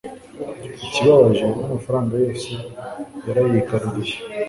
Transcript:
ikibabaje, n'amafaranga yose yarayigaruriye